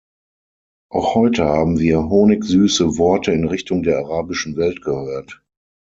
Auch heute haben wir honigsüße Worte in Richtung der arabischen Welt gehört.